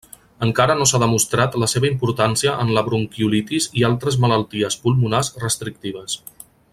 Encara no s'ha demostrat la seva importància en la bronquiolitis i altres malalties pulmonars restrictives.